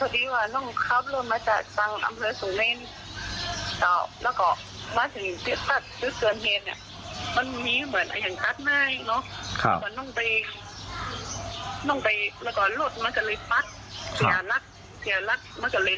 เดี๋ยวลักษณ์เขาจะได้จริงไป